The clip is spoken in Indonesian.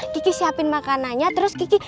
kiki siapin makanannya terus kiki